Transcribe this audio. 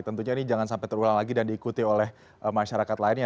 tentunya ini jangan sampai terulang lagi dan diikuti oleh masyarakat lainnya